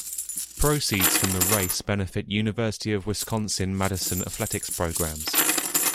Proceeds from the race benefit University of Wisconsin-Madison athletics programs.